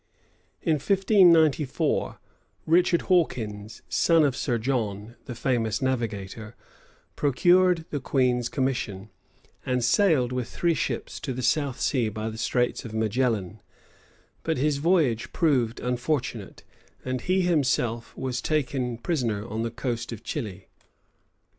In 1594, Richard Hawkins, son of Sir John, the famous navigator, procured the queen's commission, and sailed with three ships to the South Sea by the Straits of Magellan; but his voyage proved unfortunate, and he himself was taken prisoner on the coast of Chili.